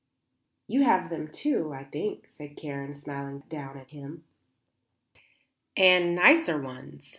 "You have them, too, I think," said Karen, smiling down at him. "And nicer ones.